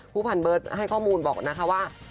ผู้พันเบิร์ดให้ข้อมูลบอกว่า